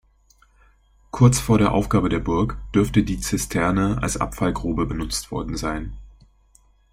Kurz vor der Aufgabe der Burg dürfte die Zisterne als Abfallgrube benutzt worden sein.